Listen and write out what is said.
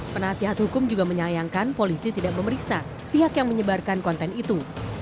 penasihat hukum juga menyayangkan polisi tidak memeriksa pihak yang menyebarkan konten itu